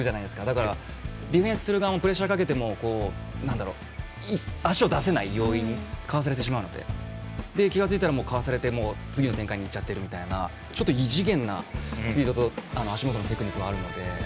だからディフェンスする側もプレッシャーかけても足を出せない容易にかわされてしまって次の展開にいっちゃってるみたいな異次元なスピードと足元のテクニックがあるので。